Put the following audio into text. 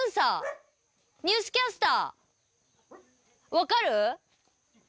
分かる？